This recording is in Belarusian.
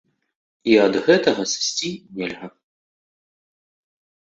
І ад гэтага сысці нельга.